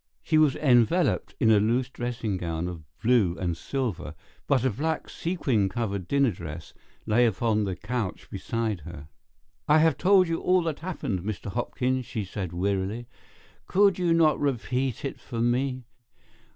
She was enveloped in a loose dressing gown of blue and silver, but a black sequin covered dinner dress lay upon the couch beside her. "I have told you all that happened, Mr. Hopkins," she said, wearily. "Could you not repeat it for me?